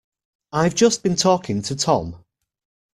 I've just been talking to Tom.